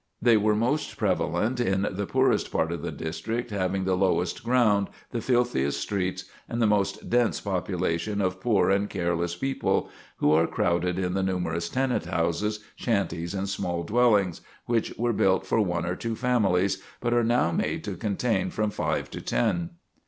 They were most prevalent in the poorest part of the district, having the lowest ground, the filthiest streets, and the most dense population of poor and careless people, who are crowded in the numerous tenant houses, shanties, and small dwellings, which were built for one or two families, but are now made to contain from five to ten.